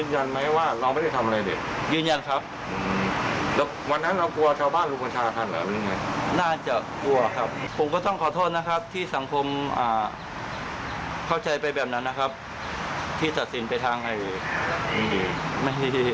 แต่ว่าเข้าใจไปแบบนั้นนะครับที่สัดสินไปทางให้ไม่ดี